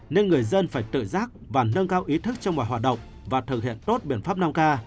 nên người dân phải tự giác và nâng cao ý thức trong mọi hoạt động và thực hiện tốt biện pháp năm k